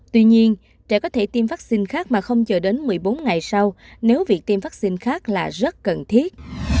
tuy nhiên trẻ có thể tiêm vaccine khác mà không chờ đến một mươi bốn ngày sau nếu việc tiêm vaccine khác là rất cần thiết